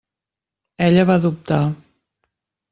Ella va dubtar.